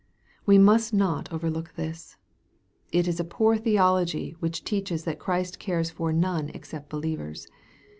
We must not overlook this. It is a poor theology which teaches that Christ cares for none except believers.